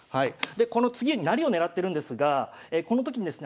この次に成りを狙ってるんですがこの時にですね